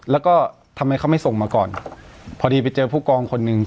แล้วก็ทำไมเขาไม่ส่งมาก่อนพอดีไปเจอผู้กองคนหนึ่ง